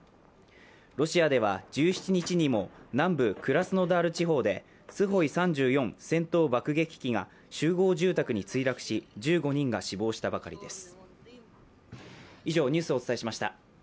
ロシアでは１７日にも南部クラスノダール地方でスホイ３４戦闘爆撃機が集合住宅に墜落し１５人が死亡したばかりです。